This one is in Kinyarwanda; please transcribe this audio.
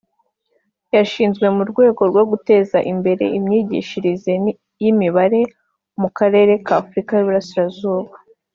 yashinzwe mu rwego rwo guteza imbere imyigishirize y’imibare mu karere ka Afurika y’Uburasirazuba